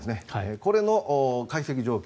これの解析状況。